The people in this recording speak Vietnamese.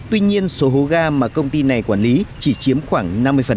tuy nhiên số hố ga mà công ty này quản lý chỉ chiếm khoảng năm mươi